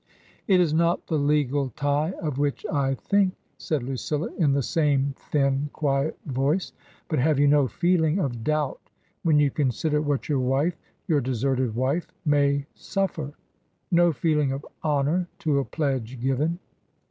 " It is not the legal tie of which I think," said Lucilla, in the same thin, quiet voice; "but have you no feeling of doubt when you consider what your wife, your de serted wife, may suffer ? No feeling of honour to a pledge given